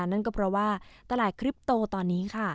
นั่นก็เพราะว่าตลาดคลิปโตตอนนี้ค่ะ